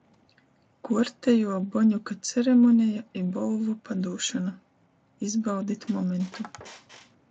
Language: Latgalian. Kuortejuo Boņuka ceremoneja i bolvu padūšona. Izbaudit momentu.